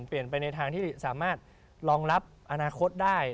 เปลี่ยนไปในทางที่สามารถรองรับอนาคตได้